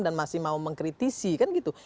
dan masih mau mengkritisi kan gitu